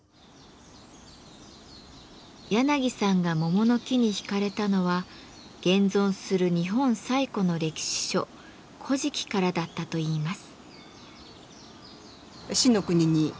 やなぎさんが桃の木に引かれたのは現存する日本最古の歴史書「古事記」からだったといいます。